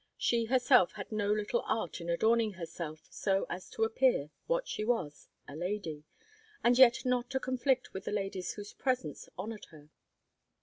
She herself had no little art in adorning herself so as to appear, what she was, a lady, and yet not to conflict with the ladies whose presence honoured her.